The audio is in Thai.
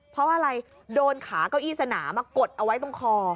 เพราะอะไรโดนขาเก้าอี้สนามมากดเอาไว้ตรงคอ